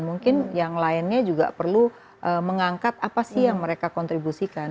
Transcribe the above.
mungkin yang lainnya juga perlu mengangkat apa sih yang mereka kontribusikan